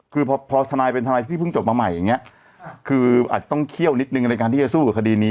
คือพอทนายเป็นทนายที่เพิ่งจบมาใหม่อย่างเงี้ยคืออาจจะต้องเคี่ยวนิดนึงในการที่จะสู้กับคดีนี้